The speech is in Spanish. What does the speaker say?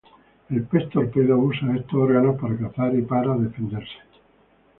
El pez torpedo usa estos órganos para cazar y para defenderse.